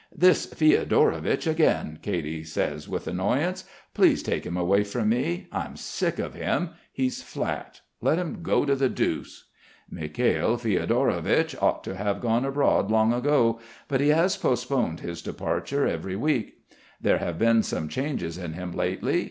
"This Fiodorovich again," Katy says with annoyance. "Please take him away from me. I'm sick of him. He's flat.... Let him go to the deuce." Mikhail Fiodorovich ought to have gone abroad long ago, but he has postponed his departure every week. There have been some changes in him lately.